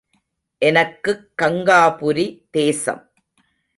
எனக்குக் கங்காபுரி தேசம்.